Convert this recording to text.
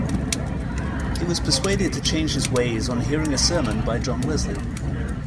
He was persuaded to change his ways on hearing a sermon by John Wesley.